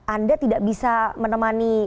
anda tidak bisa menemani